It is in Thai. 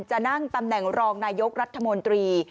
จะนั่งตำแหน่งรองนายกรัฐมนตรี